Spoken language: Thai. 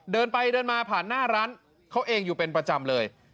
เดินไปเดินมาผ่านหน้าร้านเขาเองอยู่เป็นประจำเลย